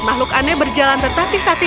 makhluk aneh berjalan tertatik tatik